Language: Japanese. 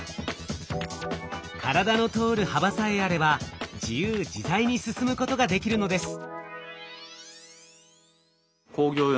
体の通る幅さえあれば自由自在に進むことができるのです。